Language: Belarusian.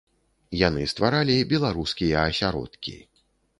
Яны стваралі беларускія асяродкі.